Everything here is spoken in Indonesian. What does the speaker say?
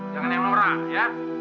jangan yang norak ya